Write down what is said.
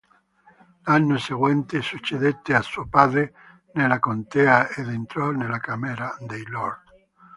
L'anno seguente succedette a suo padre nella contea ed entrò nella Camera dei lord.